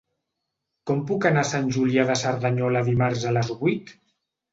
Com puc anar a Sant Julià de Cerdanyola dimarts a les vuit?